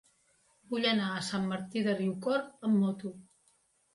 Vull anar a Sant Martí de Riucorb amb moto.